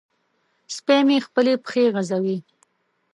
سپی مې خپلې پښې غځوي.